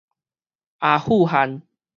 阿富汗